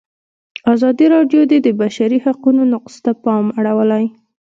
ازادي راډیو د د بشري حقونو نقض ته پام اړولی.